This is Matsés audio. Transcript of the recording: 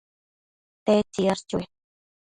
¿tedtsi yash chue